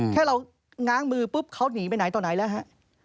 แค่เราง้างมือปุ๊บเขาหนีไปไหนต่อไหนแล้วฮะ